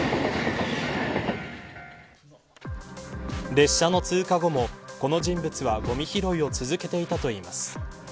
列車の通過後もこの人物はごみ拾いを続けていたといいます。